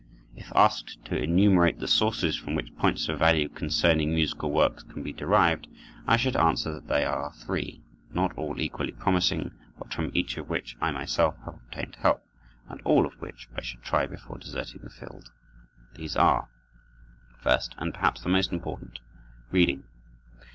If asked to enumerate the sources from which points of value concerning musical works can be derived, I should answer that they are three, not all equally promising, but from each of which I myself have obtained help, and all of which I should try before deserting the field. These are: First, and perhaps the most important, reading.